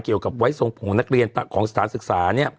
เกี่ยวกับไว้ทรงผงนักเรียนของสถานศึกษา